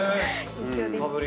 一緒ですね。